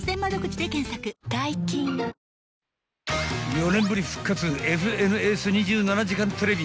［４年ぶり復活『ＦＮＳ２７時間テレビ』